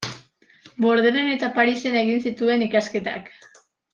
Bordelen eta Parisen egin zituen ikasketak.